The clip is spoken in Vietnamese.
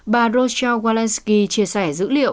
bà rochelle walensky chia sẻ dữ liệu